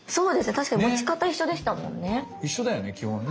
確かに持ち方一緒でしたもんね。